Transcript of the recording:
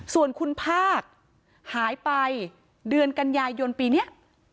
ส่วนคุณภาคหายไปเดือนกันยายนปีนี้